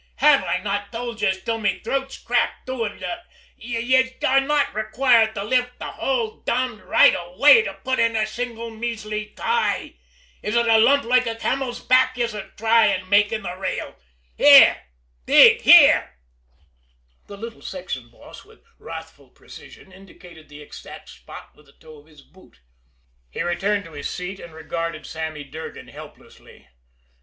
Have I not told yez till me throat's cracked doin' ut thot yez are not rayquired to lift the whole dombed right av way to put in a single measly tie? Is ut a hump loike a camel's back yez are try in' to make in the rail? Here! Dig here!" the little section boss, with wrathful precision, indicated the exact spot with the toe of his boot. He returned to his seat, and regarded Sammy Durgan helplessly.